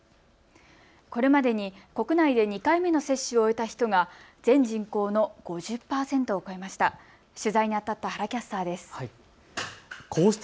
これまでに国内で２回目の接種を終えた人が全人口の５０％を超えました。